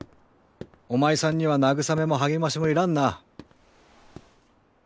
おまいさんには慰めも励ましもいらんな。